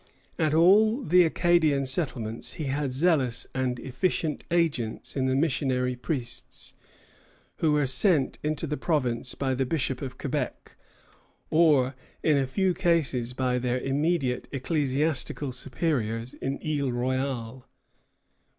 At all the Acadian settlements he had zealous and efficient agents in the missionary priests, who were sent into the province by the Bishop of Quebec, or in a few cases by their immediate ecclesiastical superiors in Isle Royale.